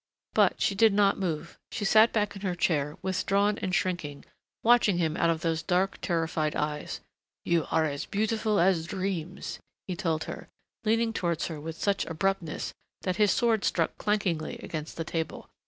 But she did not move. She sat back in her chair, withdrawn and shrinking, watching him out of those dark, terrified eyes. "You are beautiful as dreams," he told her, leaning towards her with such abruptness that his sword struck clankingly against the table.